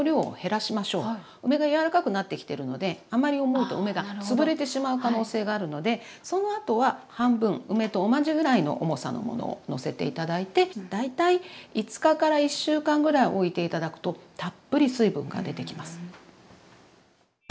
梅が柔らかくなってきてるのであまり重いと梅が潰れてしまう可能性があるのでそのあとは半分梅と同じぐらいの重さのものをのせて頂いて大体５日から１週間ぐらいおいて頂くとたっぷり水分が出てきます。